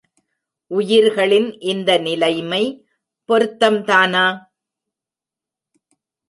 உயிர்களின் இந்த நிலைமை பொருத்தம்தானா?